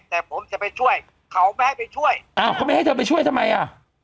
แต่ผมจะไปช่วยเขาไม่ให้ไปช่วยอ้าวเขาไม่ให้เธอไปช่วยทำไมอ่ะ